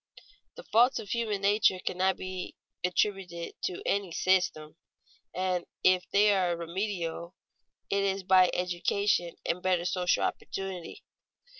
The faults of human nature cannot be attributed to any "system"; and if they are remediable, it is by education and better social opportunity.